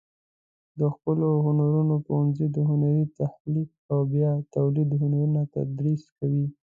د ښکلو هنرونو پوهنځی د هنري تخلیق او بیا تولید هنرونه تدریس کوي.